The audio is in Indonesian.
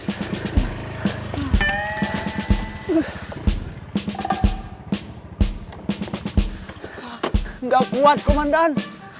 tidak kuat komandan